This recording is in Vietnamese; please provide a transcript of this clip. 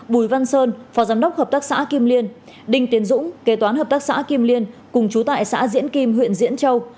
bùi văn sơn phó giám đốc hợp tác xã kim liên đinh tiến dũng kế toán hợp tác xã kim liên cùng trú tại xã diễn kim huyện diễn châu